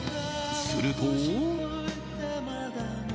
すると。